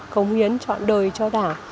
cống hiến chọn đời cho đả